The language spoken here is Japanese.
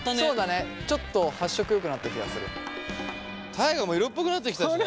大我も色っぽくなってきたしね。